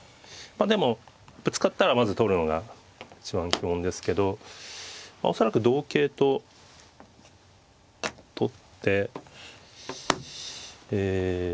でもぶつかったらまず取るのが一番基本ですけど恐らく同桂と取ってえ